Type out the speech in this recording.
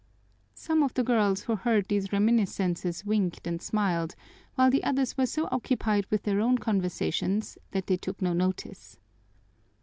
Some of the girls who heard these reminiscences winked and smiled, while the others were so occupied with their own conversations that they took no notice.